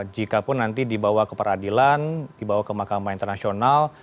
jikapun nanti dibawa ke peradilan dibawa ke mahkamah internasional